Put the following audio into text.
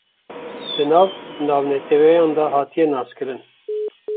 di nav navnetewayan de hatiye naskirin